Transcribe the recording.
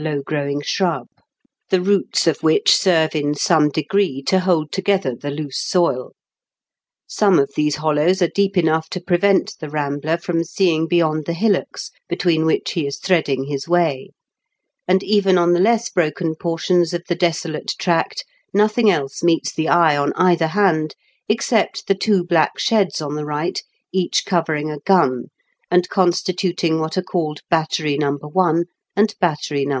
low growing fihnib; the roots of which serve in some de^ee to hold together the loose soil Some of these hollowB are deep enough to prevent the rambler &oxn seeing beyond the hillocks between which he is threading his way^ and even on the less broken portions of the desolate tract nothing else meets the eye on either hand, exeept the two Idack sheds on the right, each covering a gun, and constituting what are called Battery No. 1 and Battery No.